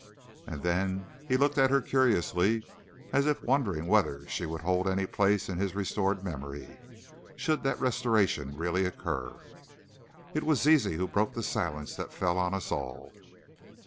And then, he looked at her curiously, as if wondering whether she would hold any place in his restored memory, should the restoration really occur. It was Zizi who broke the silence that fell on us all.